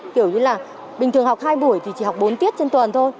kiểu như là bình thường học hai buổi thì chỉ học bốn tiết trên tuần thôi